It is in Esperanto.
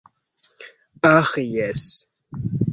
Aĥ jes.